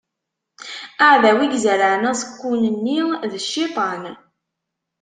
Aɛdaw i izerɛen aẓekkun-nni, d Cciṭan.